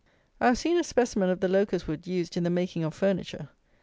I have seen a specimen of the locust wood used in the making of furniture.